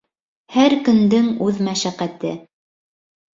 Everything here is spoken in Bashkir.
Һәр көндөң үҙ мәшәҡәте.